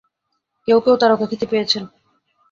কেউ কেউ তারকাখ্যাতি পেয়েছেন।